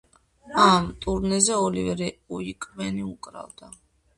კლავიშებიან საკრავებზე ამ ტურნეზე ოლივერ უეიკმენი უკრავდა.